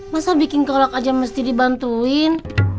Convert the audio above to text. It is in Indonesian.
masa bikin kolak aja mesti dibantuin